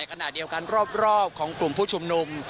การรอบของกลุ่มผู้ชุมนุม